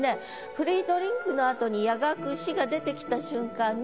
「フリードリンク」の後に「夜学子」が出てきた瞬間に。